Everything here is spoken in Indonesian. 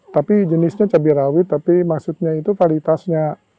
tapi jenisnya cabai rawit tapi maksudnya itu validitasnya